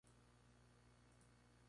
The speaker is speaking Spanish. Juntos tienen dos hijos, Joanna y Thomas.